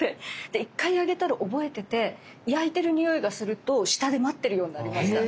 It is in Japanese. で一回あげたら覚えてて焼いてる匂いがすると下で待ってるようになりました。